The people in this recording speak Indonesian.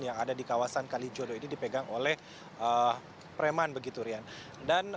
yang ada di kawasan kalijodo ini dipegang oleh preman begitu rian